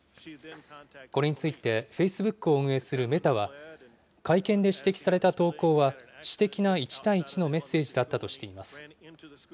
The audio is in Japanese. これについて、フェイスブックを運営するメタは、会見で指摘された投稿は、私的な一対一のメッセージだったとしています。